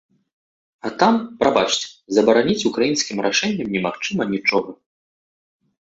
А там, прабачце, забараніць украінскім рашэннем немагчыма нічога.